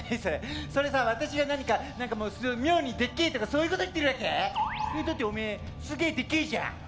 それさ私が何か何かもう妙にでっけえとかそういうこと言ってるわけ？だっておめえすげえでけえじゃん！